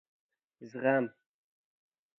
زغم ....